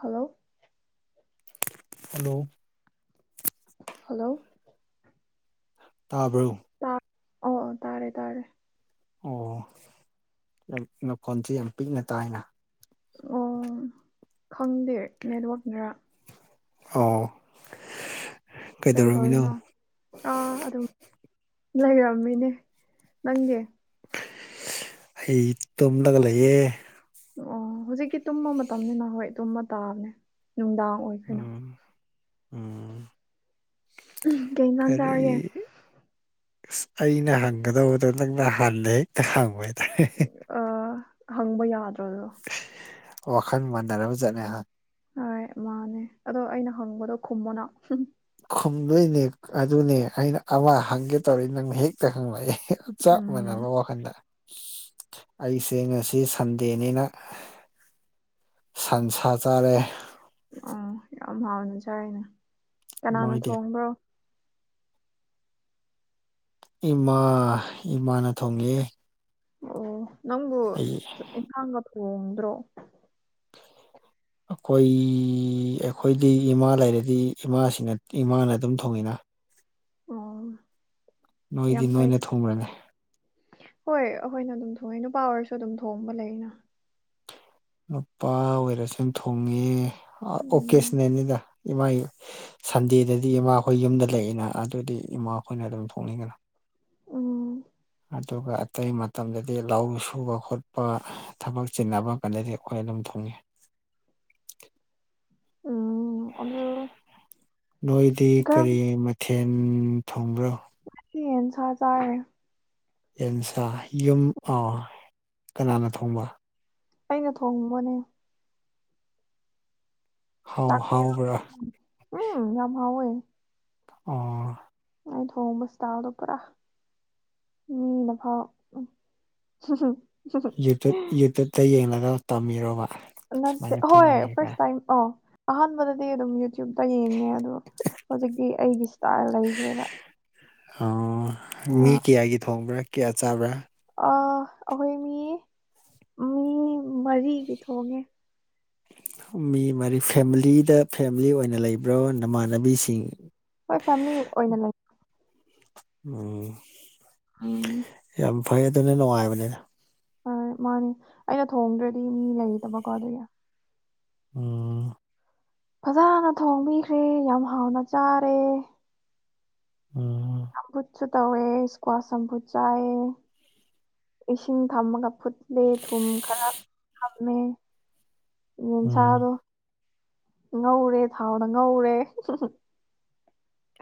hello hello hello ꯇꯥꯕ꯭ꯔꯣ ꯇꯥ ꯑꯣ ꯇꯥꯔꯦ ꯇꯥꯔꯦ ꯑꯣ ꯅꯈꯣꯟꯁꯦ ꯌꯥꯝ ꯄꯤꯛꯅ ꯇꯥꯏꯅ ꯑꯣ ꯈꯪꯗꯦ ꯅꯦꯠꯋꯥꯛꯅꯔ ꯑꯣ ꯀꯔꯤ ꯀꯩꯗꯧꯔꯝꯃꯤꯅꯣ ꯇꯧꯔꯤꯅꯣ ꯑꯥ ꯑꯗꯨꯝ ꯂꯩꯔꯝꯃꯤꯅꯦ ꯅꯪꯗꯤ ꯑꯩ ꯇꯨꯝꯂꯒ ꯂꯩꯌꯦ ꯑꯣ ꯍꯧꯖꯤꯛꯀꯤ ꯇꯨꯝꯕ ꯃꯇꯝꯅꯤꯅ ꯍꯣꯏ ꯇꯨꯝꯃ ꯇꯥꯕꯅꯦ ꯅꯨꯡꯗꯥꯡ ꯑꯣꯏꯈ꯭ꯔꯦꯅ ꯎꯝ ꯎꯝ ꯀꯩ ꯏꯟꯖꯥꯡ ꯀꯔꯤ ꯆꯥꯔꯒꯦ ꯑꯁ ꯑꯩꯅ ꯍꯪꯒꯗꯧꯕꯗꫭ ꯅꯪꯅ ꯍꯥꯟꯅ ꯍꯦꯛꯇ ꯍꯪꯕ ꯍꯥꯏꯇꯥꯔꯦ ꯑꯥ ꯍꯪꯕ ꯌꯥꯗ꯭ꯔꫭ ꯗꫭ ꯋꯥꯈꯜ ꯃꯥꯟꯅꯔꯕ ꯖꯠꯅꯦ ꯍꯥ ꯍꯣꯏ ꯃꯥꯅꯦ ꯑꯗꯣ ꯑꯩꯅ ꯍꯪꯕꯗꯣ ꯈꯨꯝꯃꯣꯅ ꯈꯨꯝꯗꯣꯏꯅꯦ ꯑꯗꯨꯅꯦ ꯑꯩꯅ ꯑꯃ ꯍꯪꯒꯦ ꯇꯧꯔꯦ ꯅꯪꯅ ꯍꯦꯛꯇ ꯍꯪꯂꯛꯑꯦ ꯆꯞ ꯎꯝ ꯃꯥꯟꯅꯕ ꯋꯥꯈꯜꯗ ꯑꯩꯁꯦ ꯉꯁꯤ ꯁꯟꯗꯦꯅꯤꯅ ꯁꯟꯁꯥ ꯆꯥꯔꯦ ꯎꯝ ꯌꯥꯝ ꯍꯥꯎꯅ ꯆꯔꯦꯅꯦ ꯀꯅꯥꯅ ꯅꯣꯏꯗꯤ ꯊꯣꯡꯕ꯭ꯔꯣ ꯏꯃꯥ ꯏꯃꯥꯅ ꯊꯣꯡꯉꯦ ꯑꯣ ꯅꯪꯕꯨ ꯑꯩ ꯏꯟꯁꯥꯡꯒ ꯊꯣꯡꯗ꯭ꯔꯣ ꯑꯩꯈꯣꯏ ꯑꯩꯈꯣꯏꯗꯤ ꯏꯃꯥ ꯂꯩꯔꯗꯤ ꯏꯃꯥꯁꯤꯅ ꯏꯃꯥꯅ ꯑꯗꯨꯝ ꯊꯣꯡꯉꯤꯅ ꯑꯣ ꯌꯥꯝ ꯅꯣꯏꯗꯤ ꯐꯩ ꯅꯣꯏꯅ ꯊꫭꯡꯕ꯭ꯔꯅꯦ ꯍꯣꯏ ꯑꯩꯈꯣꯏꯅ ꯑꯗꯨꯝ ꯊꯣꯡꯉꯦ ꯅꯨꯄꯥ ꯑꯣꯏꯔꯁꯨ ꯑꯗꯨꯝ ꯊꯣꯡꯕ ꯂꯩꯅ ꯅꯨꯄꯥ ꯑꯣꯏꯔꯁꯨ ꯊꯣꯡꯉꯦ ꯎꯝ ꯑꯣꯀꯦꯖꯅꯦꯅꯤꯗ ꯏꯃꯥ ꯁꯟꯗꯦꯗꯗꯤ ꯏꯃꯥ ꯑꯩꯈꯣꯏ ꯌꯨꯝꯗ ꯂꯩꯏꯅ ꯑꯗꯨꯗꯤ ꯏꯃꯥꯈꯣꯏꯅ ꯑꯗꯨꯝ ꯊꯣꯛꯅꯤꯡꯒꯅ ꯎꯝ ꯑꯗꯨꯒ ꯑꯇꯩ ꯃꯇꯝꯗꯗꯤ ꯂꯧ ꯁꯨꯕ ꯈꯣꯠꯄ ꯊꯕꯛ ꯆꯤꯟꯅꯕ ꯀꯥꯟꯗꯗꯤ ꯑꯩꯈꯣꯏ ꯑꯗꯨꯝ ꯊꯨꯡꯉꯤ ꯑꯣ ꯅꯣꯏꯗꯤ ꯀꯔꯝ ꯀꯔꯤ ꯃꯊꯦꯜ ꯊꯣꯡꯕ꯭ꯔꯣ [unintelligible] ꯌꯦꯟꯁꯥ ꯌꯨꯝ ꯑꯥꯏ ꯀꯅꯥꯅ ꯊꯣꯡꯕ ꯑꯩꯅ ꯊꯣꯡꯕꯣꯅꯦ ꯍꯥꯎ ꯇꯥꯛꯄꯤꯔꯣ ꯍꯥꯎꯕ꯭ꯔꯥ ꯎꯝ ꯌꯥꯝ ꯍ‌ ꯑꯣꯏ ꯑꯣ ꯑꯩ ꯊꯣꯡꯕꯁ ꯇꯥꯎꯗꯣ ꯄꯨꯔꯥ ꯃꯤꯅꯐꯥꯎ ꯎꯝ ꯌꯨꯇꯨꯞ ꯌꯨꯇꯨꯞꯇ ꯌꯦꯡꯂꯒ ꯇꯝꯕꯤꯔꯣꯔꯕ ꯅꯠꯇꯦ ꯍꯣꯏ ꯐꯥꯔꯁ ꯇꯥꯏꯝ ꯑ ꯑꯍꯥꯟꯕꯗꯗꯤ ꯑꯗꯨꯝ ꯇ꯭ꯌꯨꯞꯇ ꯌꯦꯡꯉꯦ ꯑꯗꯣ ꯍꯧꯖꯤꯛꯇꯤ ꯑꯩꯒꯤ ꯏꯁꯇꯥꯏꯜ ꯂꯩꯈ꯭ꯔꯦꯕ ꯑꯣ ꯃꯤ ꯑ ꯀꯌꯥꯒꯤ ꯊꯣꯡꯕ꯭ꯔꯥ ꯀꯌꯥ ꯆꯥꯕ꯭ꯔꯥ ꯑ ꯑꯩꯈꯣꯏ ꯃꯤ ꯃꯤ ꯃꯔꯤꯒꯤ ꯊꯣꯡꯉꯦ ꯃꯤ ꯃꯔꯤ ꯐꯦꯃꯤꯂꯤꯗ ꯐꯦꯃꯤꯂꯤ ꯑꯣꯏꯅ ꯂꯩꯕ꯭ꯔꯣ ꯅꯃꯥꯟꯅꯕꯤꯁꯤꯡ ꯍꯣꯏ ꯐꯦꯃꯤꯂꯤ ꯑꯣꯏꯅ ꯂꯩ ꯎꯝ ꯎꯝ ꯌꯥꯝ ꯐꯩ ꯑꯗꯨꯅ ꯅꯨꯡꯉꯥꯏꯕꯅꯤꯅ ꯃꯥꯅꯦ ꯑꯩꯅ ꯊꯣꯡꯗ꯭ꯔꯗꯤ ꯃꯤ ꯂꯩꯗꯕꯀꯣ ꯑꯗꯨꯒꯤ ꯑꯣ ꯐꯖꯅ ꯊꯣꯡꯕꯤꯈ꯭ꯔꯦ ꯌꯥꯝ ꯍꯥꯎꯅ ꯆꯥꯔꯦ ꯎꯝ ꯁꯝꯕꯨꯠꯁꯨ ꯇꯧꯋꯦ ꯏꯁꯀ꯭ꯋꯥꯁ ꯁꯝꯕꯨꯠ ꯆꯥꯏꯑ ꯏꯁꯤꯡ ꯊꯝꯃꯒ ꯐꯨꯠꯂꯦ ꯊꯨꯝ ꯈꯔ ꯊꯝꯃꯦ ꯎꯝ ꯌꯦꯟꯁꯥꯗꯣ ꯉꯧꯔꯦ ꯊꯥꯎꯘ ꯉꯧꯔꯦ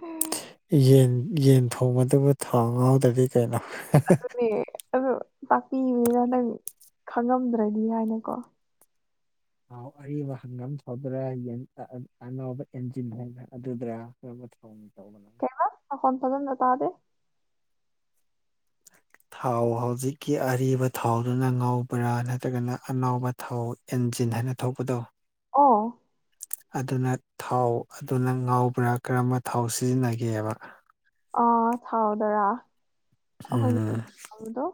ꯎꯝ ꯌꯦꯟ ꯌꯦꯟ ꯊꯣꯡꯕꯗꯨꯕꯨ ꯊꯥꯎ ꯉꯥꯎꯗꯗꯤ ꯀꯩꯅꯣ ꯑꯗꯨꯅꯦ ꯑꯗꯨ ꯇꯥꯛꯄꯤꯕꯅꯤꯅ ꯅꯪ ꯈꯪꯉꯝꯗ꯭ꯔꯗꯤ ꯍꯥꯏꯅꯀꯣ ꯑꯥꯎ ꯑꯔꯤꯕ ꯍꯪꯉꯝ ꯊꯧꯗ꯭ꯔꯥ ꯑꯅꯧꯕ ꯏꯟꯖꯤꯟ ꯍꯥꯏꯅ꯭ꯔ ꯑꯗꯨꯗ꯭ꯔꯥ ꯀꯦꯃ ꯐꯣꯟ ꯐꯗꯅ ꯅ ꯇꯍꯦ [inaudible] ꯊꯥꯎ ꯍꯧꯖꯤꯛꯀꯤ ꯑꯔꯤꯕ ꯊꯥꯎꯗꯨꯅ ꯉꯕ꯭ꯔꯥ ꯅꯠꯇ꯭ꯔꯒꯅ ꯑꯅꯥꯕ ꯊꯥꯎ ꯏꯟꯖꯤꯟ ꯍꯥꯏꯅ ꯊꯧꯄꯗꯨ ꯑꯣ ꯑꯗꯨꯅ ꯊꯥꯎ ꯑꯗꯨꯅ ꯉꯥꯎꯕ꯭ꯔꯥ ꯀꯔꯝꯕ ꯊꯥꯎ ꯁꯤꯖꯤꯟꯅꯒꯦꯕ ꯑ ꯊꯥꯎꯗꯔꯥ [unintelligible] ꯍꯗꯣ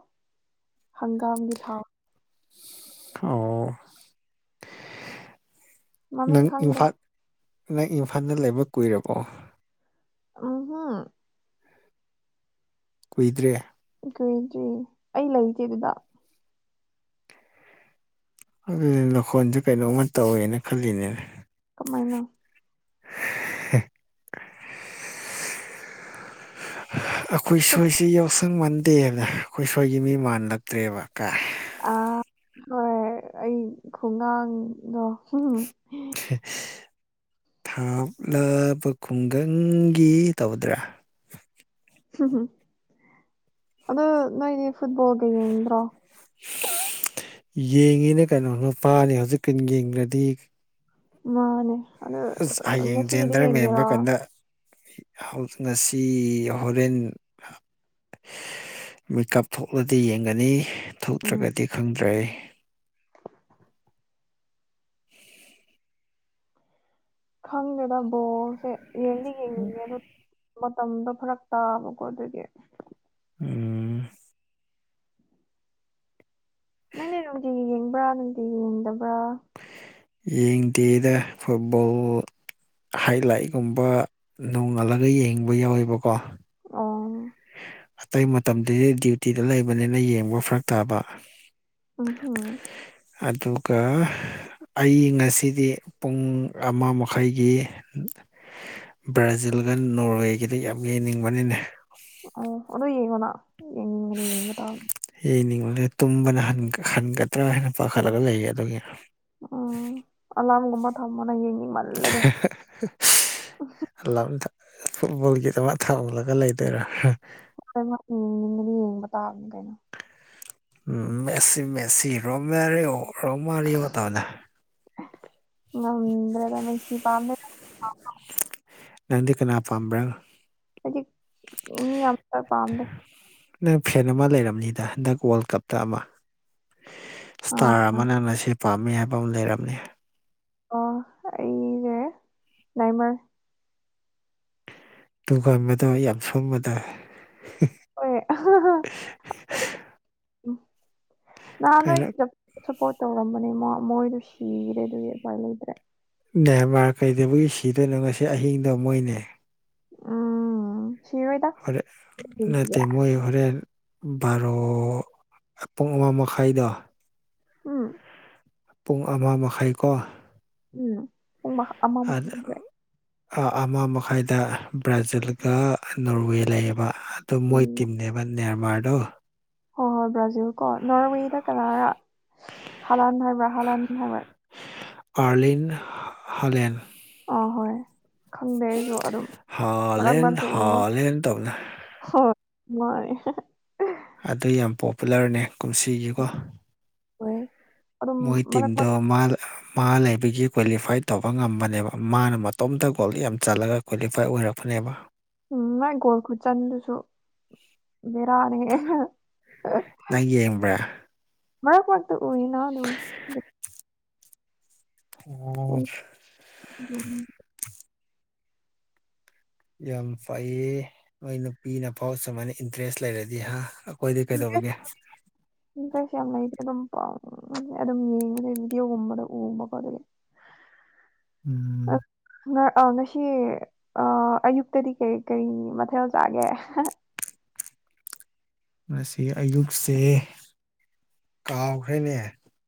ꯍꯪꯒꯥꯝꯒꯤ ꯊꯥꯎ ꯑꯣ ꯃꯃꯤꯡ ꯅꯪ ꯈꯪꯗꯦ ꯏꯝꯐꯥꯜ ꯅꯪ ꯏꯝꯐꯥꯜꯗ ꯂꯩꯕ ꯀꯨꯏꯔꯕꯣ ꯑꯣꯍꯣ ꯀꯨꯏꯗ꯭ꯔꯦ ꯀꯣꯏ ꯑꯩ ꯂꯩꯇꯦ ꯑꯗꯨꯗ ꯑꯗꯨꯅꯦ ꯂꯧꯈꯣꯟꯁꯦ ꯀꯩꯅꯣꯝꯃ ꯇꯧꯋꯦꯅ ꯈꯜꯂꯤꯅꯦ ꯀꯃꯥꯏꯅ ꯍꯦ ꯑꯩꯈꯣꯏ ꯁ꯭ꯋꯥꯏꯁꯦ ꯌꯥꯎ ꯁꯪ ꯃꯥꯟꯗꯦ ꯍꯥꯏꯕꯔ ꯑꯩꯈꯣꯏ ꯁꯣꯏꯒꯤ ꯃꯤ ꯃꯥꯟꯂꯛꯇ꯭ꯔꯦꯕ ꯀꯥꯏ ꯑ ꯍꯣꯏ ꯑꯩ ꯈꯨꯉꯥꯡꯗꯣ ꯍꯨꯝ ꯍ ꯊꯥꯞꯂꯕ ꯈꯨꯡꯒꯪꯒꯤ ꯇꯧꯕꯗꯨꯔꯥ ꯍꯨꯝ ꯍꯨꯝ ꯑꯗꯣ ꯅꯣꯏꯗꯤ ꯐꯨꯠꯕꯣꯜꯒ ꯌꯦꯡꯗ꯭ꯔꯣ ꯌꯦꯡꯉꯤꯅ ꯀꯩꯅꯣ ꯅꯨꯄꯥꯅꯤ ꯍꯧꯖꯤꯛꯀꯥꯟ ꯌꯦꯡꯗ꯭ꯔꯗꯤ ꯃꯥꯅꯦ ꯑꯗꯨ ꯑꯁ ꯍꯌꯦꯡ ꯉꯁꯤꯒꯤꯗꯤ ꯌꯦꯡꯒꯦꯔꯥ ꯍꯧ ꯉꯁꯤ ꯍꯣꯔꯦꯟ ꯃꯤꯀꯞ ꯊꯣꯛꯂꯗꯤ ꯌꯦꯡꯒꯅꯤ ꯎꯝ ꯊꯣꯛꯇ꯭ꯔꯒꯗꯤ ꯈꯪꯗ꯭ꯔꯦ ꯈꯪꯗꯦꯗꯥ ꯕꯣꯜꯁꯦ ꯌꯦꯡꯗꯤ ꯌꯦ ꯎꯝ ꯗꯨ ꯃꯇꯝꯗꯣ ꯐꯔꯛ ꯇꯥꯕꯀꯣ ꯑꯗꯨꯒꯤ ꯎꯝ ꯅꯪꯗꯤ ꯅꯨꯡꯇꯤꯒꯤ ꯌꯦꯡꯕ꯭ꯔꯥ ꯅꯦ ꯌꯦꯡꯗꯕ ꯌꯦꯡꯗꯦꯗ ꯐꯨꯠꯕꯣꯜꯕꯨ ꯍꯥꯏꯂꯥꯏꯒꯨꯝꯕ ꯅꯣꯡꯉꯥꯜꯂꯒ ꯌꯦꯡꯕ ꯌꯥꯎꯋꯦꯕꯀꯣ ꯑ ꯑꯇꯩ ꯃꯇꯝꯗꯗꯤ ꯗ꯭ꯌꯨꯇꯤꯗ ꯂꯩꯕꯅꯤꯅ ꯌꯦꯡꯕ ꯐꯔꯛ ꯇꯥꯕ ꯎꯝ ꯍꯨꯝ ꯑꯗꯨꯒ ꯑꯩ ꯉꯁꯤꯗꯤ ꯄꯨꯡ ꯑꯃ ꯃꯈꯥꯏꯒꯤ ꯕ꯭ꯔꯖꯤꯜꯒ ꯅꯣꯔꯋꯦꯒꯤꯗ ꯌꯥꯝ ꯌꯦꯡꯅꯤꯡꯕꯅꯤꯅꯦ ꯑꯣ ꯑꯗꯨ ꯌꯦꯡꯉꯅꯥ ꯌꯦꯡꯉꯅꯤ ꯌꯦꯡꯕ ꯇꯥꯕ ꯌꯦꯡꯅꯤꯡꯕꯅꯦ ꯇꯨꯝꯕꯅ ꯍꯥꯟ ꯍꯟꯒꯗ꯭ꯔꯥ ꯍꯥꯏꯅ ꯄꯥꯈꯠꯂꯒ ꯂꯩꯌꯦ ꯑꯗꯨꯒꯤ ꯎꯝ ꯑꯂꯥꯝꯒꯨꯝꯕ ꯊꯥꯝꯃꯣꯅ ꯌꯦꯡꯅꯤꯡ ꯍ ꯍ ꯍ ꯁ [unintelligible] ꯑꯦꯂꯥꯝ ꯊ ꯐꯨꯠꯕꯣꯜꯒꯤ ꯗꯃꯛ ꯊꯥꯎꯂꯒ ꯂꯩꯗꯣꯏꯔꯥ ꯍ ꯀꯩꯅꯣ ꯌꯦꯡꯅꯤꯡꯉꯗꯤ ꯌꯦꯡꯕ ꯇꯥꯕꯅꯤ ꯀꯩꯅꯣ ꯎꯝ ꯃꯦꯁꯤ ꯃꯦꯁꯤ ꯔꯣꯃꯥꯔꯤꯌꯣ ꯔꯣꯃꯥꯔꯤꯌꯣ ꯇꯧꯅ ꯉꯝꯗꯔꯒ ꯃꯦꯁꯤ ꯄꯥꯝꯃꯦ ꯅꯪꯗꯤ ꯀꯅꯥ ꯄꯥꯝꯕ꯭ꯔꯥ ꯍꯧꯖꯤꯛ ꯃꯤ ꯑꯝꯇ ꯄꯥꯝꯗꯦ ꯅꯪ ꯐꯦꯟ ꯑꯃ ꯂꯩꯔꯝꯅꯤꯗ ꯍꯟꯗꯛ ꯋꯥꯜ ꯀꯞꯇ ꯑꯃ ꯁ꯭ꯇꯥꯔ ꯑꯥ ꯑꯃꯅ ꯃꯁꯤ ꯄꯥꯝꯃꯦ ꯍꯥꯏꯕꯧ ꯂꯩꯔꯝꯃꯦ ꯑꯣ ꯑꯩꯖꯦ ꯅꯦꯃꯔ ꯇꯨꯒꯟꯕꯗꯣ ꯌꯥꯝ ꯁꯣꯟꯕꯗꯣ ꯍꯣꯏ ꯑꯍ ꯍ ꯎꯝ ꯅꯍꯥꯟ ꯅꯣꯏ ꯀꯩꯅꯣ ꯁꯞꯄꯣꯔ꯭ꯠ ꯇꯧꯔꯝꯕꯅꯦ ꯃꯥ ꯃꯣꯏꯗꯣ ꯁꯤꯒ꯭ꯔꯦ ꯑꯗꯨꯒꯤ ꯎꯄꯥꯏ ꯂꯩꯇ꯭ꯔꯦ ꯅꯦꯃꯥꯔ ꯀꯩꯗꯧꯕꯒꯤ ꯁꯤꯗꯣꯏꯅꯣ ꯉꯁꯤ ꯑꯍꯤꯡꯗꯣ ꯃꯣꯏꯅꯦ ꯎꯝ ꯁꯤꯔꯣꯏꯗ ꯍꯣꯔꯦ ꯅꯠꯇꯦ ꯃꯣꯏ ꯍꯣꯔꯦꯟ ꯕꯥꯔꯣ ꯄꯨꯡ ꯑꯃ ꯃꯈꯥꯏꯗꯣ ꯎꯝ ꯄꯨꯡ ꯑꯃ ꯃꯈꯥꯏꯀꯣ ꯎꯝ ꯄꯨꯡꯃ ꯑꯟ ꯑ ꯑ ꯃ ꯃꯈꯥꯏꯗ ꯕ꯭ꯔꯥꯖꯤꯜꯒ ꯅꯣꯔꯋꯦ ꯂꯩꯌꯦꯕ ꯑꯗꯨ ꯃꯣꯏ ꯍꯣꯏ ꯇꯤꯝꯅꯦꯕ ꯅꯦꯟꯃꯥꯔꯗꯣ ꯍꯣꯏ ꯍꯣꯏ ꯕ꯭ꯔꯥꯖꯤꯜ ꯀꯣ ꯅꯣꯔꯋꯦꯗ ꯀꯅꯥꯔꯥ ꯍꯥꯂꯥꯟ ꯍꯥꯏꯕ꯭ꯔꯥ ꯍꯥꯂꯥꯟ ꯍꯥꯏꯕ꯭ꯔꯥ ꯑꯥꯔꯂꯤꯟ ꯍꯂꯦꯟ ꯑꯥꯍꯣꯏ ꯈꯪꯗꯦ ꯑꯩꯁꯨ ꯑꯗꯨꯝ ꯃꯔꯛ ꯍꯥꯂꯦꯟ ꯃꯔꯛꯇ ꯎꯕ ꯍꯥꯂꯦꯟ ꯇꯧꯅ ꯍꯣꯏ ꯍꯣꯏ ꯑꯗꯨ ꯌꯥꯝ ꯄꯣꯄꯨꯂꯔꯅꯦ ꯀꯨꯝꯁꯤꯒꯤꯀꯣ ꯍꯣꯏ ꯑꯗꯨꯝ ꯃꯣꯏ ꯃꯔꯛ ꯇꯤꯝꯗꯣ ꯃꯔꯛ ꯃꯥꯜ ꯃꯥ ꯂꯩꯕꯒꯤ ꯀ꯭ꯋꯥꯂꯤꯐꯥꯏ ꯇꯧꯕ ꯉꯝꯕꯅꯦꯕ ꯃꯥꯅ ꯃꯇꯣꯝꯇ ꯒꯣꯜꯗ ꯌꯥꯝ ꯆꯠꯂꯒ ꯀ꯭ꯋꯥꯂꯤꯐꯥꯏ ꯑꯣꯏꯔꯛꯄꯅꯦꯕ ꯎꯝ ꯃꯥꯏ ꯒꯣꯜ ꯈꯨꯠꯆꯟꯗꯨꯁꯨ ꯔꯥꯅꯦ ꯅꯪ ꯌꯦꯡꯕ꯭ꯔꯥ ꯃ [inaudible] ꯎꯝ ꯎꯝ ꯌꯥꯝ ꯐꯩꯌꯦ ꯃꯣꯏ ꯅꯨꯄꯤꯅꯐꯥꯎ ꯁꯨꯃꯥꯏꯅ ꯏꯟꯇꯔꯦꯁ ꯂꯩꯔꯗꯤ ꯍꯥ ꯍꯣꯏꯗꯤ ꯀꯩꯗꯧꯕꯒꯦ ꯏꯟꯇꯔꯦꯁ ꯌꯥꯝ ꯂꯩꯇꯦ ꯑꯗꯨꯝꯥꯎ ꯑꯗꯨꯝ ꯌꯦꯡꯕꯗ ꯚꯗꯤꯑꯣꯒꯨꯝꯕꯗ ꯎꯕ ꯈꯣꯠꯗꯤ [inaudible] ꯎꯝ ꯑ ꯉꯁꯤ ꯑꯣ ꯑꯌꯨꯛꯇꯗꯤ ꯀꯔꯤ ꯀꯔꯤ ꯃꯊꯦꯜ ꯆꯥꯒꯦ ꯉꯁꯤ ꯑꯌꯨꯛꯁꯦ ꯀꯥꯎꯈ꯭ꯔꯦꯅꯦ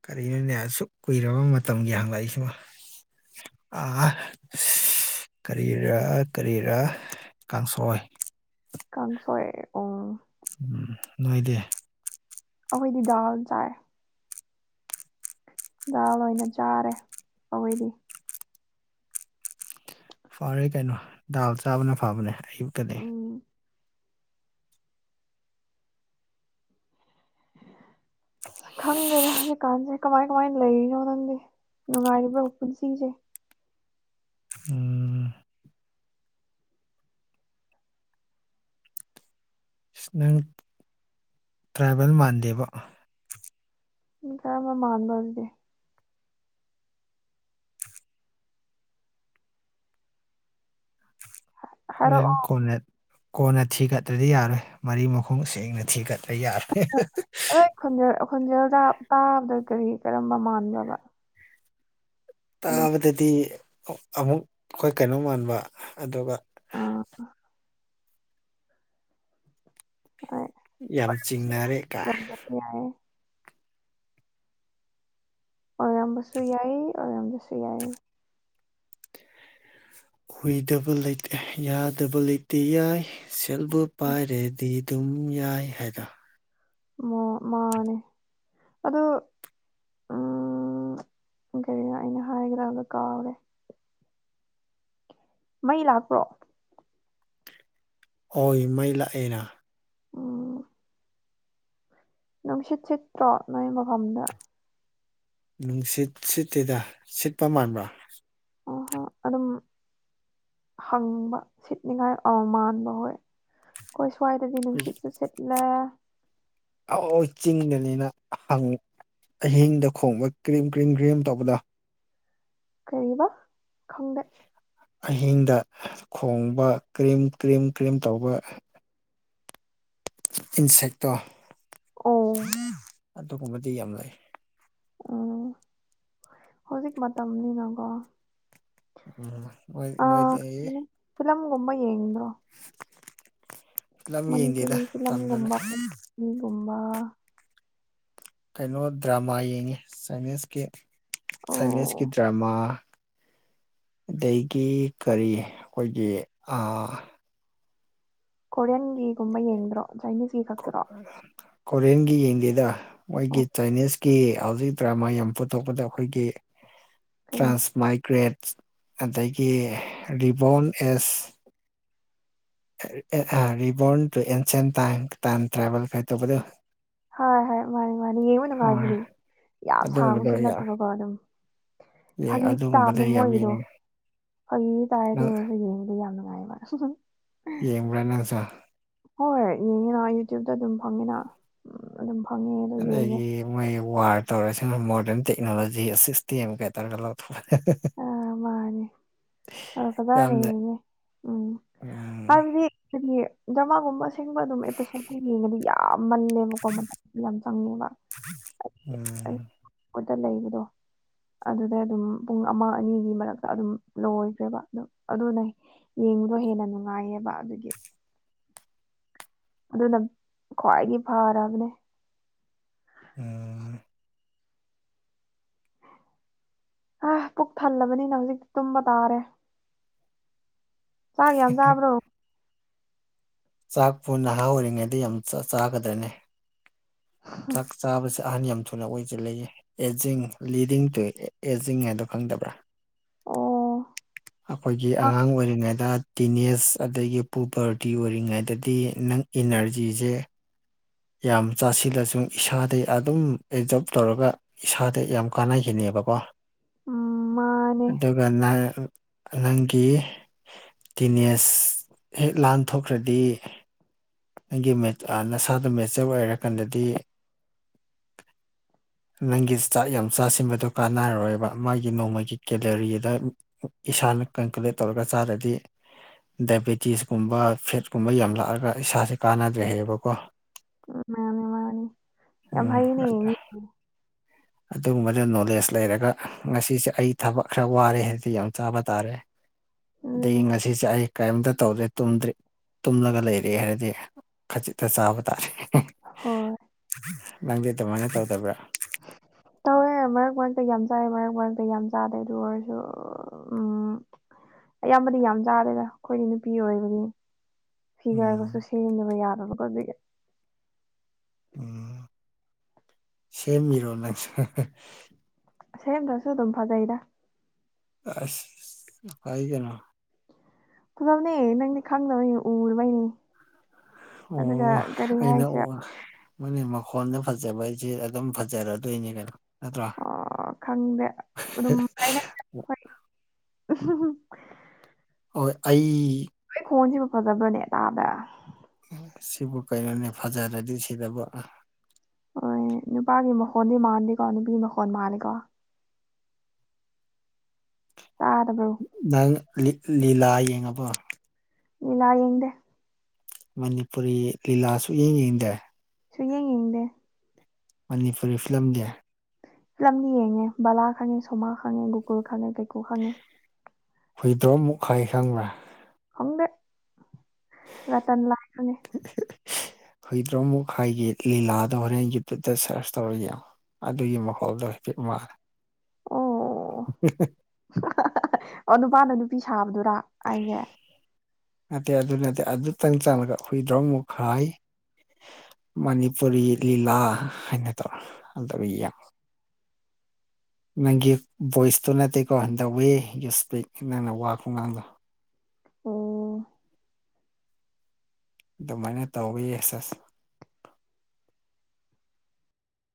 ꯀꯔꯤꯅꯣꯅꯦ ꯑꯁꯨꯛ ꯀꯨꯏꯔꯕ ꯃꯇꯝꯒꯤ ꯍꯥꯡꯂꯛꯏꯁꯤꯃ ꯑ ꯀꯔꯤꯔꯥ ꯀꯔꯤꯔꯥ ꯀꯥꯡꯁꯣꯏ ꯀꯥꯡꯪꯁꯣꯏꯦ ꯎ ꯎꯝ ꯅꯣꯏꯗꯤ ꯑꯈꯣꯏꯗꯤ ꯗꯥꯜ ꯆꯥꯏ ꯗꯥꯜ ꯑꯣꯏꯅ ꯆꯥꯔꯦ ꯑꯩꯈꯣꯏꯗꯤ ꯐꯔꯦ ꯀꯩꯅꯣ ꯗꯥꯜ ꯆꯥꯕꯅ ꯐꯕꯅꯦ ꯑꯌꯨꯛꯇꯗꯤ ꯎꯝ ꯈꯪꯗꯗꯦ ꯍꯧꯖꯤꯛꯀꯥꯟꯁꯦ ꯀꯃꯥꯏ ꯀꯃꯥꯏꯅ ꯂꯩꯔꯤꯅꯣ ꯅꯪꯗꯤ ꯅꯨꯡꯉꯥꯏꯔꯤꯕ꯭ꯔꯣ ꯄꯨꯟꯁꯤꯁꯦ ꯎꯝ ꯅꯪ ꯇ꯭ꯔꯥꯏꯕꯦꯜ ꯃꯥꯟꯗꯦꯕ ꯏ ꯀꯔ ꯃ ꯃꯥꯟꯕꯁꯗꯤꯦ ꯍꯣꯔꯦꯟ ꯍꯥꯏꯔꯛꯑꯣ ꯀꯣꯟꯅ ꯀꯣꯟꯅ ꯊꯤꯒꯠꯇ꯭ꯔꯗꯤ ꯌꯥꯔꯣꯏ ꯃꯔꯤ ꯃꯈꯣꯡ ꯁꯦꯡꯅ ꯊꯤꯒꯠꯇ꯭ꯔ ꯌꯥꯔꯣꯏ ꯍ ꯑꯩ ꯈꯣꯟꯖꯦꯜ ꯈꯣꯟꯖꯦꯜ ꯇꯥ ꯇꯥꯕꯗ ꯀꯔꯤ ꯀꯔꯝꯕ ꯃꯥꯟꯒ꯭ꯔꯕ ꯇꯥꯕꯗꯗꯤ ꯑꯃꯨꯛ ꯑꯩꯈꯣꯏ ꯀꯩꯅꯣ ꯃꯥꯟꯕ ꯑꯗꯨꯒ ꯑ ꯍꯣꯏ ꯌꯥꯝ ꯆꯤꯡꯅꯔꯦ ꯀꯥ ꯌꯥꯏꯌꯦ ꯑꯣꯏꯔꯝꯕꯁꯨ ꯌꯥꯏ ꯑꯣꯏꯔꯝꯕꯁꯨ ꯌꯥꯏ ꯍꯏꯗꯕ ꯌꯥꯗꯕ ꯂꯩꯇꯦ ꯌꯥꯏ ꯁꯦꯠꯕꯨ ꯄꯥꯏꯔꯦꯗꯤ ꯑꯗꯨꯝ ꯌꯥꯏ ꯍꯥꯏꯗ ꯃ ꯃꯥꯅꯦ ꯑꯗꯣ ꯎꯝ ꯀꯔꯤꯅꯣ ꯑꯩꯅ ꯍꯥꯏꯒ꯭ꯔꯥꯕꯗ ꯀꯥꯎꯔꯦ ꯃꯩ ꯂꯥꯛꯄ꯭ꯔꯣ ꯍꯣꯏ ꯃꯩ ꯂꯥꯛꯑꯦꯅ ꯑꯣ ꯅꯨꯡꯁꯤꯠ ꯁꯤꯠꯇ꯭ꯔꯣ ꯅꯣꯏ ꯃꯐꯝꯗꯣ ꯅꯨꯡꯁꯤꯠ ꯁꯤꯠꯇꯦꯗ ꯁꯤꯠꯄ ꯃꯥꯟꯕ꯭ꯔꯥ ꯑꯍꯣ ꯑꯗꯨꯝ ꯍꯪꯕ ꯁꯤꯠꯅꯤꯉꯥꯏ ꯃꯥꯟꯕ ꯍꯣꯏ ꯑꯩꯈꯣꯏ ꯁ꯭ꯋꯥꯏꯗꯗꯤ ꯅꯨꯡꯁꯤꯠꯁꯨ ꯁꯤꯠꯂꯦ ꯑ ꯆꯤꯡꯗꯅꯤꯅ ꯍꯪꯉꯤ ꯑꯍꯤꯡꯗ ꯈꯣꯡꯕ ꯀ꯭ꯔꯤꯝ ꯀ꯭ꯔꯤꯝ ꯀ꯭ꯔꯤꯝ ꯇꯧꯕꯗ ꯀꯔꯤꯕ ꯈꯪꯗ ꯑꯍꯤꯡꯗ ꯈꯣꯡꯕ ꯀ꯭ꯔꯤꯝ ꯀ꯭ꯔꯤꯝ ꯀ꯭ꯔꯤꯝ ꯇꯧꯕ ꯏꯟꯁꯦꯛꯇꯣ ꯑꯣ ꯑꯗꯨꯒꯨꯝꯕꯗꯤ ꯌꯥꯝ ꯂꯩ ꯎꯝ ꯍꯧꯖꯤꯛ ꯃꯇꯝꯅꯤꯅꯀꯣ ꯎꯝ ꯃ ꯑꯥ ꯃꯣꯏꯗ ꯀꯩꯅꯣ ꯐꯤꯂꯝꯒꯨꯝꯕ ꯌꯦꯡꯣ ꯐꯤꯂꯝ ꯃꯅꯤꯄꯨꯔꯤ ꯌꯦꯡꯗꯦꯗ ꯇꯟꯗꯅ ꯐꯤꯂꯝꯒꯨꯝꯕꯄꯔꯤꯒꯨꯝꯕ ꯀꯩꯅꯣ ꯗ꯭ꯔꯃꯥ ꯌꯦꯡꯉꯤ ꯆꯅꯤꯁꯀꯤ ꯆꯥꯏꯅꯤꯁꯀꯤ ꯑꯣ ꯗ꯭ꯔꯃꯥ ꯑꯗꯒꯤ ꯀꯔꯤ ꯑꯩꯈꯣꯏꯒꯤ ꯀꯣꯔꯤꯌꯟꯒꯤꯒꯨꯝꯕ ꯌꯦꯡꯗ꯭ꯔꯣ ꯆꯥꯏꯅꯤꯁꯀꯤ ꯈꯛꯇ꯭ꯔꯣ ꯀꯣꯔꯤꯌꯥꯟꯒꯤ ꯌꯦꯡꯗꯦꯗ ꯑꯣ ꯃꯣꯏꯒꯤ ꯆꯥꯏꯅꯤꯁ ꯀꯤ ꯍꯧꯖꯤꯛ ꯗ꯭ꯔꯃꯥ ꯌꯥꯝ ꯄꯨꯊꯣꯛꯄꯗ ꯑꯩꯈꯣꯏꯒꯤ ꯀꯔꯤ ꯇ꯭ꯔꯥꯟꯁ ꯃꯥꯏꯒ꯭ꯔꯦꯠ ꯑꯗꯒꯤ reborn as reborn to ancient ꯇꯥꯡ ꯇꯥꯟ ꯇ꯭ꯔꯥꯚꯦꯜꯒꯥꯏ ꯇꯧꯕꯗꯣ ꯍꯥꯏ ꯍ ꯃꯥꯅꯤ ꯃꯥꯅꯤ ꯌꯦꯡꯕ ꯍꯣꯏ ꯅꯨꯡꯉꯥꯏꯕꯅꯤ ꯌꯥꯝ ꯑꯗꯨꯒꯨꯝꯕꯗꯣ ꯁꯥꯡꯕꯁꯨ ꯅꯠꯇꯕꯀꯣ ꯑꯗꯨꯝ ꯐꯥꯒꯤ ꯑꯗꯨꯒꯨꯝꯕꯗ ꯇꯥꯕꯅꯦ ꯌꯥꯝ ꯃꯣꯏꯒꯤꯗꯣ ꯌꯦꯡꯉꯦ ꯐꯥꯒꯤ ꯇꯥꯏꯗꯨ ꯅꯪ ꯑꯣꯏꯔꯁꯨ ꯌꯦꯡꯕꯗ ꯌꯥꯝ ꯅꯨꯡꯉꯥꯏꯕ ꯍ ꯌꯦꯡꯕ꯭ꯔꯥ ꯅꯪꯖ ꯍꯣꯏꯣꯏ ꯌꯦꯡꯉꯤꯅ ꯌꯨꯇ꯭ꯌꯨꯕꯇ ꯑꯗꯨꯝ ꯐꯪꯉꯤꯅ ꯑꯗꯨꯝ ꯐꯪꯉꯦ ꯑꯗꯣ ꯌꯦꯡꯉꯦ ꯑꯗꯒꯤ ꯃꯣꯏ ꯋꯥꯔ ꯇꯧꯔꯁꯤꯅ ꯃꯣꯗꯔꯟ ꯇꯦꯛꯅꯣꯂꯣꯖꯤ ꯁꯤꯁꯇꯦꯝꯒ ꯇꯧꯔꯒ ꯂꯧꯊꯣꯛꯑꯦ ꯑ ꯃꯥꯅꯦ ꯑ ꯀꯗꯥꯒꯤ ꯌꯥꯝꯅ ꯅꯣꯍꯦ ꯎꯝ ꯎꯝ ꯍꯥꯏꯕꯗꯤꯗꯤ ꯍꯥꯏꯗꯤ ꯖꯃꯥꯒꯨꯝꯕ ꯑꯁꯦꯡꯕ ꯑꯗꯨꯝ ꯑꯦꯄꯤꯁꯣꯗ ꯌꯦꯡꯉꯗꯤ ꯌꯥ ꯌꯥꯝ ꯃꯜꯂꯦꯕꯀꯣ ꯃꯇꯝ ꯌꯥꯝ ꯆꯪꯉꯦꯕ ꯎꯝ ꯃꯠꯇ ꯂꯩꯕꯗꯣ ꯑꯗꯨꯗ ꯑꯗꯨꯝ ꯄꯨꯡ ꯑꯃ ꯑꯅꯤꯒꯤ ꯃꯔꯛꯇ ꯑꯗꯨꯝ ꯂꯣꯏꯈ꯭ꯔꯦꯕ ꯑꯗꯨ ꯑꯗꯨꯅ ꯌꯦꯡꯕꯗꯣ ꯍꯦꯟꯅ ꯅꯨꯡꯉꯥꯏꯌꯦꯕ ꯑꯗꯨꯒꯤ ꯑꯗꯨꯅ ꯈ꯭ꯋꯥꯏꯒꯤ ꯐꯔꯕꯅꯦ ꯑ-ꯑ-ꯑ ꯑ ꯄꯨꯛ ꯊꯜꯂꯕꯅꯤꯅ ꯍꯧꯖꯤꯛꯇꯤ ꯇꯨꯝꯕ ꯇꯥꯔꯦ ꯆꯥꯛ ꯌꯥꯝ ꯆꯥꯕ꯭ꯔꯣ ꯆꯥꯛꯄꯨ ꯅꯍꯥ ꯑꯣꯏꯔꯤꯉꯩꯗ ꯌꯥꯝ ꯆ-ꯆꯥꯒꯗ꯭ꯔꯅꯦ ꯆꯥꯛ ꯆꯥꯕꯁꯦ ꯑꯍꯟ ꯌꯥꯝ ꯊꯨꯅ ꯑꯣꯏꯖꯤꯂꯦꯌꯦ ꯑꯦꯖꯤꯡ ꯂꯤꯗꯤꯡ ꯇꯨ ꯑꯦꯖꯤꯡ ꯍꯥꯏꯗꯣ ꯈꯪꯗꯕ꯭ꯔꯥ ꯑꯣ ꯑꯈꯣꯏꯒꯤ ꯑꯉꯥꯡ ꯑꯣꯏꯔꯤꯉꯩꯗ ꯇꯤꯅꯦꯅꯦꯖ ꯑꯗꯒꯤ ꯄꯨꯕꯔꯇꯤ ꯑꯣꯏꯔꯤꯉꯩꯗꯗꯤ ꯅꯪ ꯏꯅꯔꯖꯤꯁꯦ ꯌꯥꯝ ꯆꯥꯁꯤꯜꯂꯁꯨ ꯏꯁꯥꯗꯩ ꯑꯗꯨꯝ ꯑꯦꯞꯖꯣꯔꯞ ꯇꯧꯔꯒ ꯏꯁꯥꯗ ꯌꯥꯝ ꯀꯥꯟꯅꯈꯤꯅꯦꯕꯀꯣ ꯎ ꯃꯥꯅꯦ ꯑꯗꯨꯒ ꯅꯥ ꯅꯪꯒꯤ ꯇꯤꯟꯅꯦꯁ ꯍꯦꯛ ꯂꯥꯟꯊꯣꯛꯈ꯭ꯔꯗꯤ ꯑꯩꯪꯒꯤ ꯃꯦꯠꯇꯔ ꯥ ꯅꯁꯥꯗ ꯃꯦꯠꯆꯔ ꯑꯣꯏꯔꯀꯥꯟꯗꯗꯤ [unintelligible] ꯅꯪꯒꯤ ꯆꯥꯛ ꯌꯥꯝ ꯆꯥꯁꯤꯟꯕꯗꯣ ꯀꯥꯟꯅꯔꯣꯏꯕ ꯃꯥꯒꯤ ꯅꯣꯡꯃꯒꯤ ꯀꯦꯂꯣꯔꯤꯗ ꯏꯁꯥꯅ ꯀꯟꯀꯨꯂꯦꯠ ꯇꯧꯔꯒ ꯆꯥꯗꯗꯤ ꯗꯥꯏꯕꯦꯇꯤꯁꯀꯨꯝꯕ ꯐꯦꯠꯀꯨꯝꯕ ꯌꯥꯝ ꯂꯥꯛꯑꯒ ꯏꯁꯥꯁꯦ ꯀꯥꯟꯅꯗ꯭ꯔꯦꯍꯕꯀꯣ ꯃꯥꯅꯦ ꯃꯥꯅꯦ ꯌꯥꯝ ꯎꯝꯝ ꯍꯩꯅꯦ ꯑꯠ ꯍꯥ [inaudible] ꯑꯗꯨꯒꯨꯝꯕꯗ ꯅꯣꯂꯦꯖ ꯂꯩꯔꯒ ꯉꯁꯤꯁꯦ ꯑꯩ ꯊꯕꯛ ꯈꯔ ꯋꯥꯔꯦ ꯍꯥꯏꯗꯤ ꯌꯥꯝ ꯆꯥꯕ ꯇꯥꯔꯦ [inaudible] ꯑꯗꯨꯅꯦ ꯑꯗꯩꯩ ꯉꯁꯤ ꯆꯥꯛꯑꯦ ꯀꯔꯤꯝꯇ ꯇꯧꯗ꯭ꯔꯦ ꯇꯗ꯭ꯔꯤ ꯇꯨꯝꯂꯒ ꯂꯩꯔꯦ ꯍꯥꯏꯔꯗꯤ ꯈꯖꯤꯛꯇ ꯆꯥꯕ ꯇꯥꯔꯦ ꯍꯣꯏ ꯅꯪꯗꯤ ꯑꯗꯨꯃꯥꯏꯅ ꯇꯧꯗꯕ꯭ꯔꯥ ꯇꯧꯔꯦ ꯃꯔꯛ ꯃꯔꯛꯇ ꯌꯥꯝ ꯆꯥꯔꯦ ꯃꯔꯛ ꯃꯔꯛꯇ ꯌꯥꯝ ꯆꯥꯗꯦ ꯑꯗꯨ ꯑꯣꯏꯔꯁꯨ ꯎꯝ ꯑꯌꯥꯝꯕꯗꯤ ꯌꯥꯝ ꯆꯥꯗꯦꯗ ꯑꯩꯈꯣꯏꯗꯤ ꯅꯨꯄꯤ ꯑꯣꯏꯕꯗꯤ ꯐꯤꯒꯔꯒꯁꯨ ꯎꯝ ꯁꯦꯝꯅꯕ ꯌꯥꯗꯕꯀꯣ ꯑꯗꯨꯒꯤ ꯎꯝ ꯁꯦꯝꯃꯤꯔꯣ ꯅꯪꯁꯦ ꯁꯦꯝꯗꯔ꯭ ꯁꯨ ꯑꯗꯨꯝ ꯐꯖꯩꯗ ꯑꯁ ꯍꯥꯏꯗꯅꯥ ꯈꯨꯗꯝꯅꯦ ꯅꯪꯗꯤ ꯈꯪꯗꯕꯩꯅꯦ ꯎꯔꯕꯩꯅꯦ ꯑꯣ ꯑꯩꯅ ꯑꯣ ꯍꯥꯏꯁꯤꯔ ꯃꯣꯏꯅꯦ ꯃꯈꯣꯟꯗ ꯐꯖꯕ ꯍꯥꯏꯁꯤꯦ ꯑꯗꯨꯝ ꯐꯖꯔꯗꯣꯏꯅꯤ ꯀꯩꯅꯣ ꯅꯠꯇ꯭ꯔꯣ ꯑꯣ ꯈꯪꯗꯦ ꯑꯗꯨꯝ ꯍꯥꯏꯅꯩꯗ ꯍꯣꯏ ꯑꯣꯏ ꯑꯩ ꯍ ꯈꯣꯟꯁꯤꯕꯨ ꯐꯖꯕ꯭ꯔꯅꯦ ꯇꯥꯗ ꯁꯤꯕꯨ ꯀꯩꯅꯣꯅꯦ ꯐꯖꯔꯗꯤ ꯁꯤꯗꯕꯨ ꯍꯣꯏ ꯅꯨꯄꯥꯒꯤ ꯃꯈꯣꯟꯗꯤ ꯃꯥꯟꯗꯦꯀꯣ ꯅꯨꯄꯤꯒꯤ ꯃꯈꯣꯟꯜ ꯃꯥꯜꯂꯦꯀꯣ ꯇꯥꯗꯕ꯭ꯔꯣ ꯅꯪ ꯂꯤꯂꯥ ꯌꯦꯡꯉꯕ ꯂꯤꯂꯥ ꯌꯦꯡꯗꯦ ꯃꯅꯤꯄꯨꯔꯤ ꯂꯤꯂꯥ ꯁꯨꯡꯌꯦꯡ ꯌꯦꯡꯗꯦ ꯁꯨ ꯌꯦꯡ ꯌꯦꯡꯗꯦ ꯃꯅꯤꯄꯨꯔꯤ ꯐꯤꯂꯝ ꯗꯦ ꯐꯤꯂꯝꯗꯤ ꯌꯦꯡꯉꯦ ꯕꯂꯥ ꯈꯪꯉꯦ ꯁꯣꯃꯥ ꯈꯪꯉꯦ ꯒꯣꯀꯨꯜ ꯈꯪꯉꯦ ꯀꯩꯀꯨ ꯈꯪꯉꯦ ꯍꯨꯏꯗ꯭ꯔꯣꯝ ꯃꯨꯛꯈꯥꯏ ꯈꯪꯕ꯭ꯔꯥ ꯍꯪꯦ ꯔ ꯇꯅ ꯂꯥꯛꯉꯅꯦ ꯍꯨꯏꯗ꯭ꯔꯣꯃꯨꯛ ꯍꯥꯏꯒꯤ ꯂꯤꯂꯥꯗꯣ ꯍꯣꯔꯦꯟ ꯌꯨꯇ꯭ꯌꯨꯕꯇ ꯁꯔꯁ ꯇꯧꯔꯒ ꯌꯦꯡꯉꯣ ꯑꯗꯨꯒꯤ ꯃꯈꯣꯜꯗꯣ ꯍꯥꯏꯐꯦꯠ ꯃꯥꯜꯂꯦ ꯑꯣ ꯑꯣ ꯅꯨꯄꯥꯅ ꯅꯨꯄꯤ ꯁꯥꯕꯗꯨꯔꯥ ꯑꯩꯖꯦ ꯅꯠꯇꯦ ꯑꯗꯨ ꯅꯠꯇꯦ ꯑꯗꯨꯇꯪ ꯆꯥꯜꯂꯒ ꯍꯨꯏꯗꯔ꯭ꯣꯝ ꯃꯨꯛꯈꯥꯏ ꯃꯅꯤꯄꯨꯔꯤ ꯂꯤꯂꯥ ꯍꯥꯏꯅ ꯇꯧꯔꯣ ꯑꯗꯨ ꯅꯪꯒꯤ ꯚꯣꯏꯁꯇꯣ ꯅꯠꯇꯦꯀꯣ ꯗ ꯋꯦ ꯌꯨ ꯁ꯭ꯄꯤꯛ ꯅꯪꯅ ꯋꯥ ꯈꯨꯉꯥꯡꯗꯣ ꯑꯣ ꯑꯗꯨꯃꯥꯏꯅ ꯇꯧꯋꯤ ꯌꯦꯁ ꯑꯁ